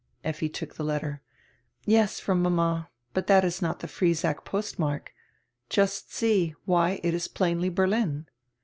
Effi took die letter. "Yes, from mama. But that is not die Friesack postmark. Just see, why, it is plainly Berlin."